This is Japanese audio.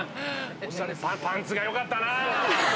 パンツがよかったなあ。